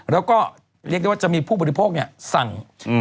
แล้วก็เรียกได้ว่าจะมีผู้บริโภคสั่ง